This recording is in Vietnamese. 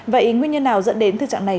vậy nguyên nhân nào dẫn đến thức trạng này